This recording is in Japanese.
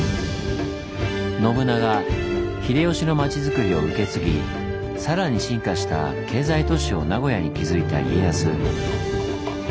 信長秀吉の町づくりを受け継ぎさらに進化した経済都市を名古屋に築いた家康。